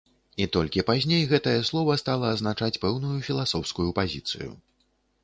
І толькі пазней гэтае слова стала азначаць пэўную філасофскую пазіцыю.